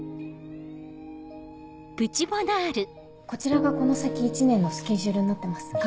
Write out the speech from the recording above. こちらがこの先一年のスケジュールになってます。